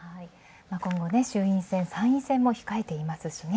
今後衆院選、参院選控えていますしね。